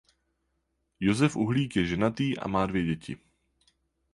Josef Uhlík je ženatý a má dvě děti.